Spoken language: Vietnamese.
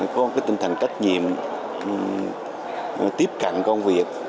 có cái tinh thần trách nhiệm tiếp cận công việc